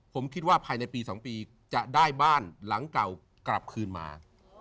ผมคิดว่าภายในปี๒ปีจะได้บ้านหลังเก่ากลับคืนมา